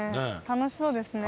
楽しそうですね。